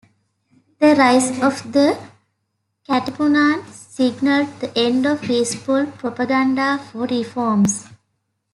The rise of the Katipunan signaled the end of peaceful propaganda for reforms.